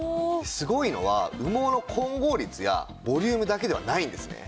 すごいのは羽毛の混合率やボリュームだけではないんですね。